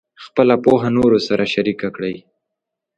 خپله پوهه نورو سره شریکه کړئ.